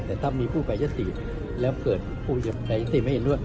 แต่ถ้ามีผู้แปรยติแล้วเกิดผู้ประชายติไม่เห็นด้วย